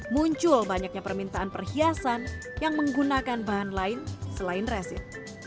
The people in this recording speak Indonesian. muncul banyaknya permintaan perhiasan yang menggunakan bahan lain selain resin